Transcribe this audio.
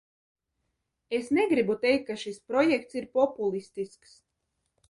Es negribu teikt, ka šis projekts ir populistisks.